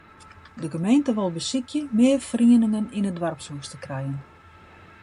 De gemeente wol besykje mear ferieningen yn it doarpshûs te krijen.